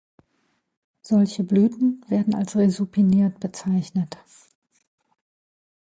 Solche Blüten werden als resupiniert bezeichnet.